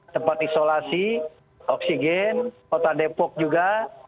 tempat isolasi oksigen kota depok juga